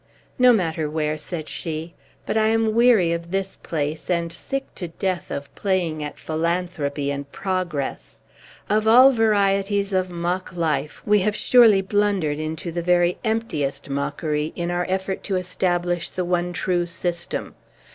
"No matter where," said she. "But I am weary of this place, and sick to death of playing at philanthropy and progress. Of all varieties of mock life, we have surely blundered into the very emptiest mockery in our effort to establish the one true system.